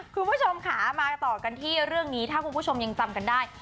คุณผู้ชมค่ะมาต่อกันที่เรื่องนี้ถ้าคุณผู้ชมยังจำกันได้